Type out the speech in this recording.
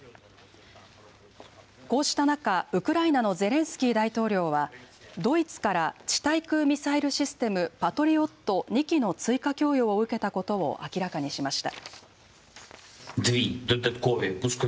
こうした中ウクライナのゼレンスキー大統領はドイツから地対空ミサイルシステムパトリオット２基の追加供与を受けたことを明らかにしました。